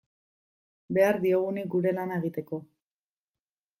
Behar diogunik gure lana egiteko.